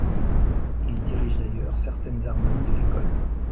Il dirige d'ailleurs certaines harmonies de l'école.